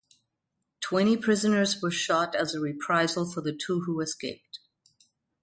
Twenty prisoners were shot as a reprisal for the two who escaped.